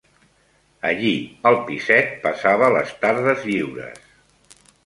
Allí al piset passava les tardes lliures